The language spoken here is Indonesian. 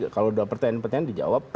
kalau ada pertanyaan pertanyaan dijawab